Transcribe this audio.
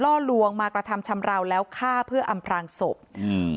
ลวงมากระทำชำราวแล้วฆ่าเพื่ออำพลางศพอืม